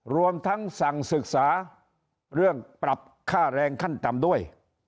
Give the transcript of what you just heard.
รวมทั้งสั่งศึกษาเรื่องปรับค่าแรงขั้นต่ำด้วย